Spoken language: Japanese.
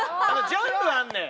ジャンルあんねん。